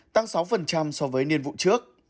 tăng sáu so với nhiên vụ trước